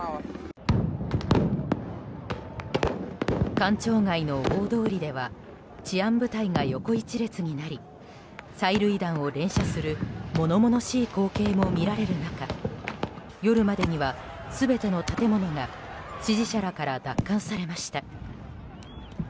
官庁街の大通りでは治安部隊が横一列になり催涙弾を連射する物々しい光景も見られる中夜までには、全ての建物が支持者らから奪還されました。